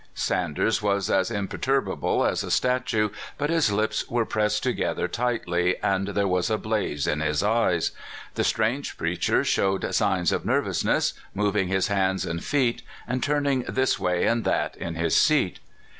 Sanders was as imperturbable as a statue, but his lips were pressed together tightly, and there was a blaze in his eyes. The strange preacher showed signs of nervousness, moving his hands and feet, and turning this way and that in his seat.